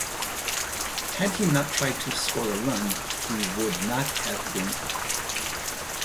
Had he not tried to score a run, he would not have been out.